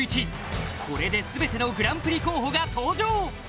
これで全てのグランプリ候補が登場！